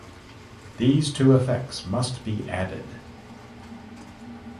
These two effects must be added.